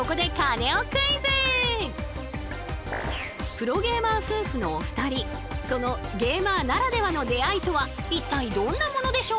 プロゲーマー夫婦のお二人そのゲーマーならではの出会いとは一体どんなものでしょう？